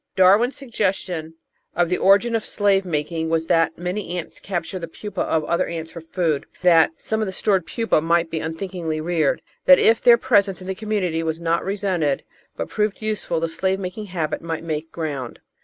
Darwin's suggestion "of the origin of slave making was that many ants capture the pupas of other ants for food, that some of the stored pupas might be uninten tionally reared, that if their presence in the community was not resented but proved useful, the slave making habit might make ground."